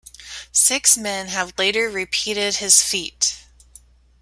Six men have later repeated his feat.